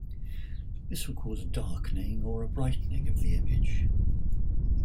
This will cause a darkening or brightening of the image.